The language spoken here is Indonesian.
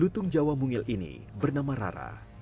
lutung jawa mungil ini bernama rara